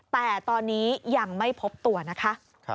แต่ตอนนี้ยังไม่พบตัวนะคะ